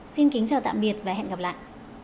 xin kính chào tạm biệt và hẹn gặp lại